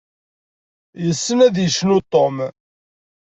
Yessen ad yecnu Ṭum?